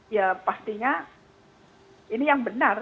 ya pastinya ini yang benar